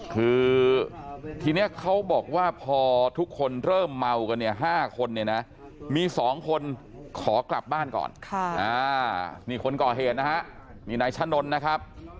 คือทีนี้เขาบอกว่าพอทุกคนเริ่มเมากันเนี่ย๕คนเนี่ยนะมี๒คนขอกลับบ้านก่อนนี่คนก่อเหตุนะฮะนี่นายชะนนนะครับ